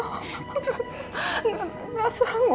maaf mama rasanya gak sanggup